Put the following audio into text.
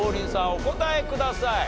お答えください。